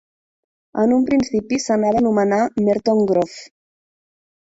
En un principi, s'anava a nomenar Merton Grove.